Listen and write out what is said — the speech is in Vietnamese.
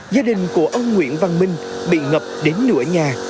gia đình của ông nguyễn văn minh bị ngập đến nửa nhà